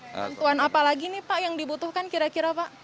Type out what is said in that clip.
bantuan apa lagi nih pak yang dibutuhkan kira kira pak